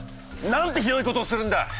なんてひどいことをするんだ！